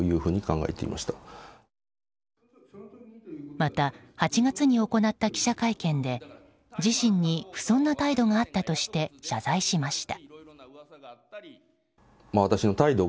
また、８月に行った記者会見で自身に不遜な態度があったとして謝罪しました。